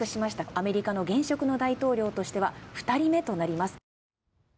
アメリカの現職の大統領としては２人目となります。